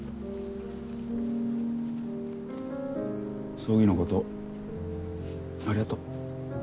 葬儀のことありがとう。